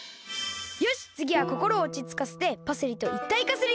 よしつぎはこころをおちつかせてパセリといったいかするよ！